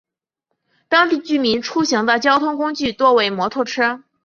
当地居民出行的交通工具多用摩托车。